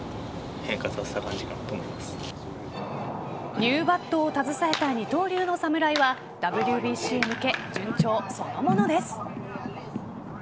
ニューバットを携えた二刀流の侍はＷＢＣへ向け、順調そのものです。